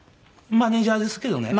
マネジャーですけどね。